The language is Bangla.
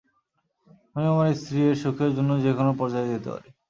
আমি আমার স্ত্রী এর সুখের জন্যে যেকোনো পর্যায়ে যেতে পারি।